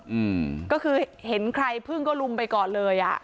อืมก็คือเห็นใครพึ่งก็ลุมไปก่อนเลยอ่ะ